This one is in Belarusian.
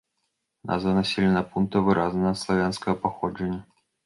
Назва населенага пункта выразна славянскага паходжання.